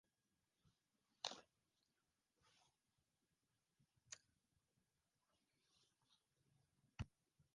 Pia kuna wasemaji wachache nchini Chad na Nigeria.